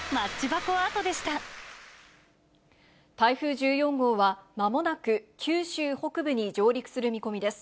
台風１４号は、まもなく九州北部に上陸する見込みです。